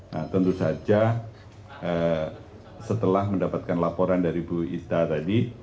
nah tentu saja setelah mendapatkan laporan dari bu ista tadi